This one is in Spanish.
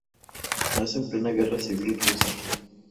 Nace en plena Guerra Civil Rusa.